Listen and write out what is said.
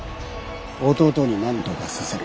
弟になんとかさせる。